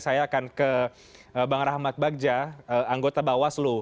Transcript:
saya akan ke bang rahmat bagja anggota mbak waslu